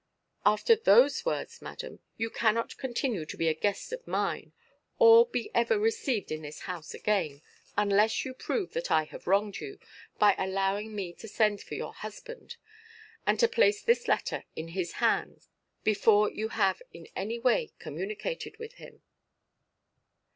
"After those words, madam, you cannot continue to be a guest of mine; or be ever received in this house again, unless you prove that I have wronged you, by allowing me to send for your husband, and to place this letter in his hands, before you have in any way communicated with him."